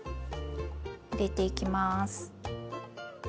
入れていきます。